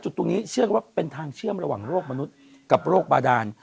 จุดตรงนี้นี่ทางเชื่อมระหว่างโรคมนุษย์กับโรคบาดาล